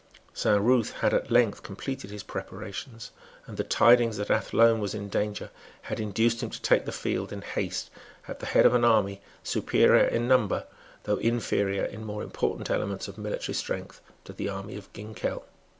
Saint Ruth had at length completed his preparations; and the tidings that Athlone was in danger had induced him to take the field in haste at the head of an army, superior in number, though inferior in more important elements of military strength, to the army of Ginkell.